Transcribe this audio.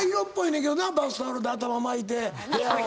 バスタオルで頭巻いて部屋を。